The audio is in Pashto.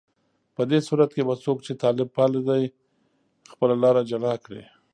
په دې صورت کې به څوک چې طالب پاله دي، خپله لاره جلا کړي